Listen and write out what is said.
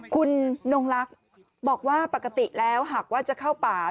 คุณนงลักษณ์บอกว่าปกติแล้วหากว่าจะเข้าป่า